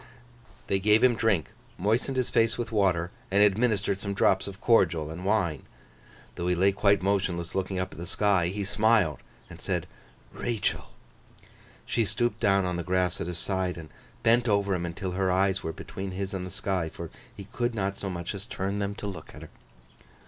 They gave him drink, moistened his face with water, and administered some drops of cordial and wine. Though he lay quite motionless looking up at the sky, he smiled and said, 'Rachael.' She stooped down on the grass at his side, and bent over him until her eyes were between his and the sky, for he could not so much as turn them to look at her.